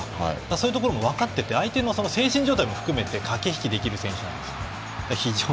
そういうところも分かっていて相手の精神状態も含め駆け引きできる選手なんです。